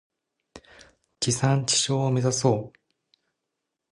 地産地消を目指そう。